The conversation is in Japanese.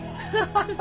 ハハハ！